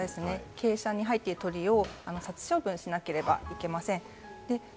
鶏舎に入っている鶏を殺処分しなければいけません。